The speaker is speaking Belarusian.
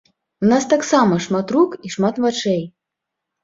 У нас таксама шмат рук і шмат вачэй.